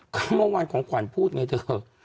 ก็เมื่อวานของขวัญพูดไงเธอ